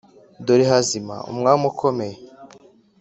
Dore hazima umwami ukomeye